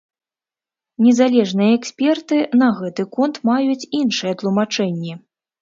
Незалежныя эксперты на гэты конт маюць іншыя тлумачэнні.